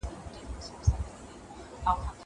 کېدای سي ځواب لنډ وي.